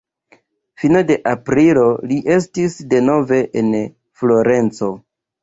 Fino de aprilo li estis denove en Florenco.